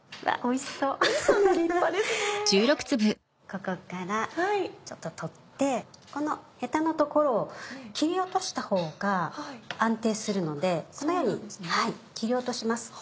ここからちょっと取ってこのヘタの所を切り落としたほうが安定するのでこのように切り落とします。